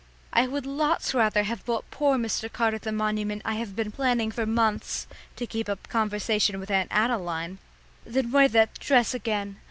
I would lots rather have bought poor Mr. Carter the monument I have been planning for months (to keep up conversation with Aunt Adeline) than wear that dress again.